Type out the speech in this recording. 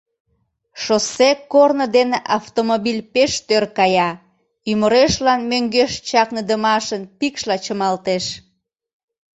Шоссе корно дене автомобиль пеш тӧр кая, ӱмырешлан мӧҥгеш чакныдымашын пикшла чымалтеш.